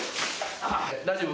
大丈夫？